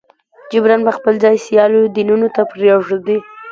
جبراً به خپل ځای سیالو دینونو ته پرېږدي.